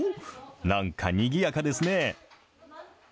なんかにぎやかですね。